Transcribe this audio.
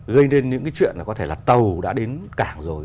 gây nên những cái chuyện là có thể là tàu đã đến cảng rồi